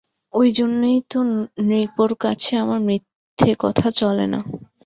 ঐজন্যেই তো নৃপর কাছে আমার মিথ্যে কথা চলে না।